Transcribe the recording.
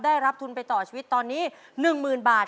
ได้รับทุนไปต่อชีวิตตอนนี้๑๐๐๐บาท